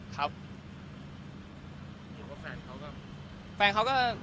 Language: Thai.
แล้วแฟนเขาก็